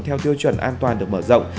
theo tiêu chuẩn an toàn được mở rộng